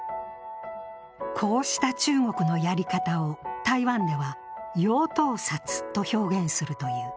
こうした中国のやり方を台湾では、養套殺と表現するという。